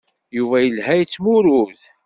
Yuba yella yettmurud.